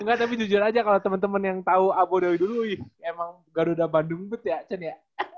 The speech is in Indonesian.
enggak tapi jujur aja kalo temen temen yang tau abu daud dulu emang garuda bandung bet ya cen ya